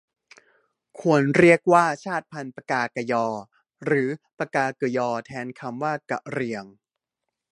ควรเรียกว่าชาติพันธุ์ปกากะญอ หรือปกาเกอะญอ แทนคำว่ากะเหรี่ยง